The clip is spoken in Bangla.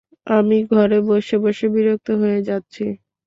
আমি ঘরে বসে বসে বিরক্ত হয়ে যাচ্ছি।